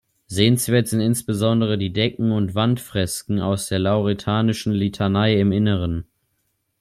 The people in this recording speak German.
Sehenswert sind insbesondere die Decken- und Wandfresken aus der lauretanischen Litanei im Innern.